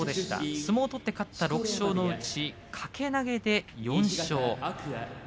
相撲を取って勝った６勝のうち掛け投げで４勝。